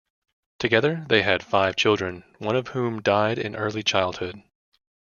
Together, they had five children, one of whom died in early childhood.